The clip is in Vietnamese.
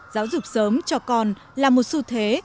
giáo dục sớm cho con là một xu thế